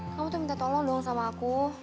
kamu tuh minta tolong dong sama aku